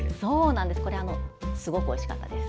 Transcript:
すごくおいしかったです。